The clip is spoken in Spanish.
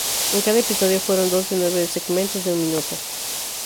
En cada episodio fueron dos de nueve segmentos de un minuto.